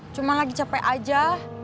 cuma lagi capek aja